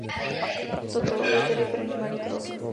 Toto je tedy první malý krok.